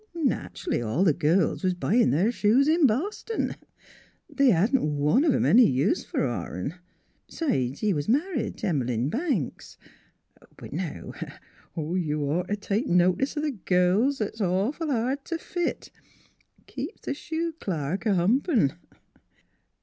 Nach'ally all the girls was buyin' their shoes in Boston. They hadn't one of 'em any use fer Orin, 'n' b'sides he was married t' Em'line Banks. But now you'd ought t' take notice o' the girls 'at's awful hard t' fit. Keeps th' shoe clerk a humpin'."